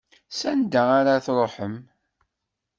S anda ara truḥem?